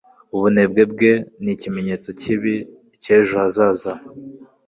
Ubunebwe bwe ni ikimenyetso kibi cy'ejo hazaza.